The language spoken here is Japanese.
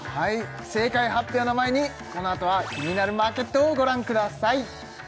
正解発表の前にこのあとは「キニナルマーケット」をご覧ください